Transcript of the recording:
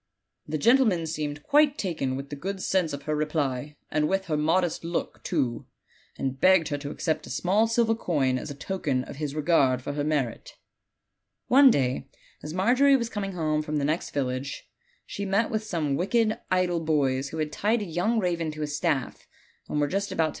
The gentle man seemed quite taken with the good sense of her reply, and with her modest look, too, and begged her to accept a small silver coin as a token of his regard for her merit." ^ One day, as Margery was coming home from the next village, she met with some wicked, idle boys, who had tied a young raven to a staff and were just about t9 g OLD, OLD FAIRY TALES.